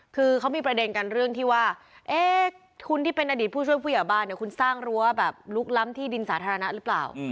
คือเขามีประเด็นกันเรื่องที่ว่าคุณที่เป็นอดีตผู้ช่วยผู้ใหญ่บ้านเนี่ยคุณสร้างรั้วแบบลุกล้ำที่ดินสาธารณะหรือเปล่า